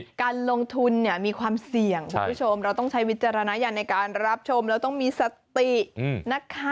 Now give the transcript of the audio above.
การลงทุนเนี่ยมีความเสี่ยงคุณผู้ชมเราต้องใช้วิจารณญาณในการรับชมแล้วต้องมีสตินะคะ